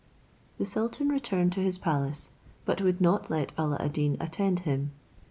The sultan returned to his palace, but would not let Alla ad Deen attend him.